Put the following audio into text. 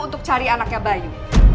untuk cari anaknya bayu